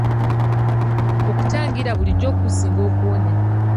Okutangira bulijjo kusinga okuwonya.